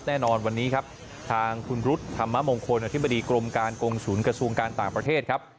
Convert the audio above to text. แน่นอนวันนี้ครับทางคุณรุษธรรมมงคลอธิบดีกรมการกงศูนย์กระทรวงการต่างประเทศครับ